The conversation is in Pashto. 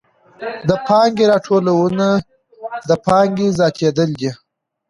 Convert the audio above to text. د پانګې راټولونه د پانګې زیاتېدل دي